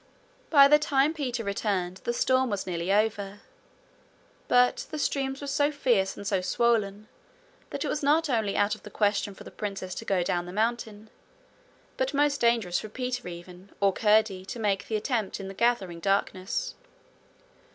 By the time Peter returned the storm was nearly over, but the streams were so fierce and so swollen that it was not only out of the question for the princess to go down the mountain, but most dangerous for Peter even or Curdie to make the attempt in the gathering darkness.